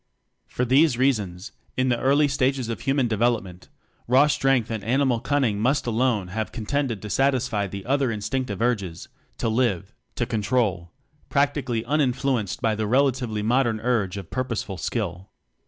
For these reasons, in the early stages of human development, raw strength and animal cunning must alone have contended to satisfy the other instinctive urges to live, to control practically uninfluenced by the relatively modern urge of Pur poseful Skill.